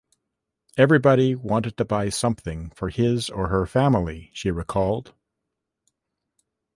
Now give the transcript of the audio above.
"Everybody wanted to buy something for his or her family," she recalled.